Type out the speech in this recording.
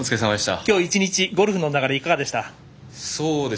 今日１日ゴルフの流れいかがでしたか？